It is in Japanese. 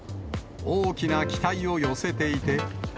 大きな期待を寄せていて。